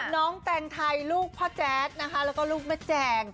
น้องแต่งไทยลูกพ่อแจ๊กแล้วก็ลูกแม่แจ่ง